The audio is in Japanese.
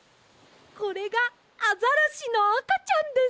これがアザラシのあかちゃんです。